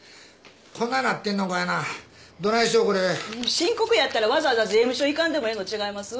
申告やったらわざわざ税務署行かんでもええの違います？